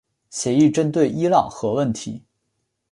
协议针对伊朗核问题。